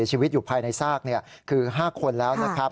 ชีวิตอยู่ภายในซากคือ๕คนแล้วนะครับ